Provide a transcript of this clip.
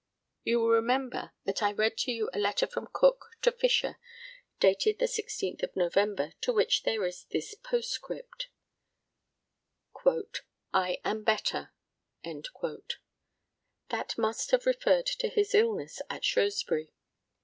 You will remember that I read to you a letter from Cook to Fisher, dated the 16th of November, to which there is this postscript "I am better." That must have referred to his illness at Shrewsbury.